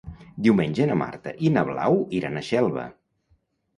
Diumenge na Marta i na Blau iran a Xelva.